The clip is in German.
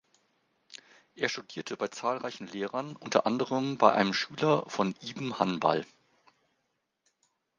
Er studierte bei zahlreichen Lehrern, unter anderem bei einem Schüler von Ibn Hanbal.